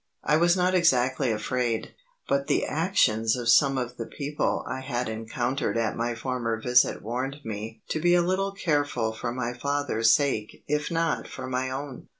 I was not exactly afraid, but the actions of some of the people I had encountered at my former visit warned me to be a little careful for my father's sake if not for my own.